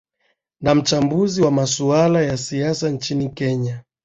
na mchambuzi wa masuala ya siasa nchini kenya